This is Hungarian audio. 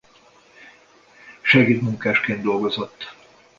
Segédmunkásként dolgozott.